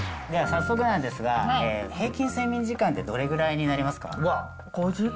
早速なんですが、平均睡眠時間ってどれぐらいになりますか？